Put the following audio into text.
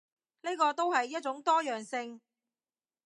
呢個都係一種多樣性